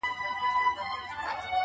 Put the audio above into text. يو چا تضاده کړم، خو تا بيا متضاده کړمه~